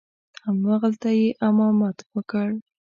همغلته یې امامت وکړ.